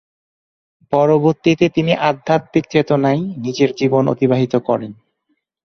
পরবর্তীতে তিনি আধ্যাত্মিক চেতনায় নিজের জীবন অতিবাহিত করেন।